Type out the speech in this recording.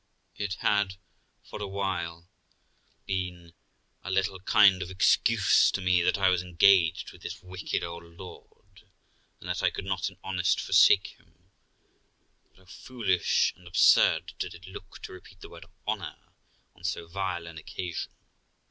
It had for a while been a little kind of excuse to me that I was engaged with this wicked old lord, and that I could not in honour forsake him; but how foolish and absurd did it look to repeat the word 'honour' on so vile an occasion!